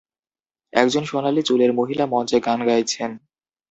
একজন সোনালী চুলের মহিলা মঞ্চে গান গাইছেন।